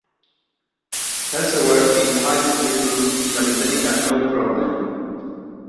Elsewhere" y "Hill Street Blues" y la británica "No Problem!